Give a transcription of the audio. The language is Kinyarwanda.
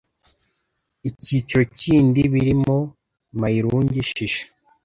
ikiciro kindi birimo Mayirungi, Shisha,